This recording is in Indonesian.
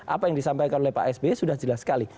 apa yang disampaikan oleh pak sby sudah jelas sekali